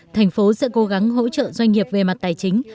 thành phố sẽ cố gắng hỗ trợ doanh nghiệp về mặt tài chính